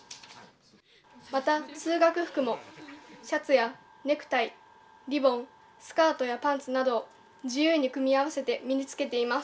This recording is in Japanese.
また通学服もシャツやネクタイリボン、スカートやパンツなどを自由に組み合わせて身につけています。